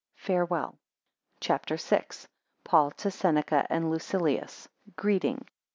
Farewell. CHAPTER VI. PAUL to SENECA and LUCILIUS Greeting.